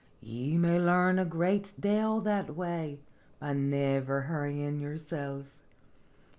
Ye may learn a good dale that way, by niver hurryin' yourself.